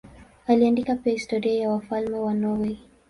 Aliandika pia historia ya wafalme wa Norwei.